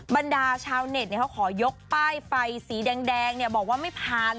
บรรดาชาวเน็ตเขาขอยกป้ายไฟสีแดงบอกว่าไม่ผ่าน